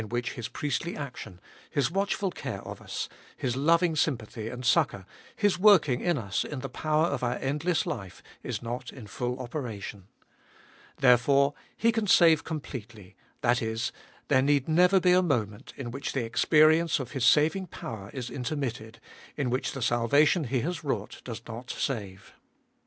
252 cbe Ibolicst of BU which His priestly action, His watchful care of us, His loving sympathy and succour, His working in us in the power of our endless life, is not in full operation. Therefore He can save completely, that is, there need never be a moment in which the experience of His saving power is intermitted, in which the salvation He has wrought does not save.